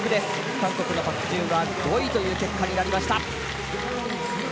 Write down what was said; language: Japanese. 韓国のパク・ヒジュンは５位という結果になりました。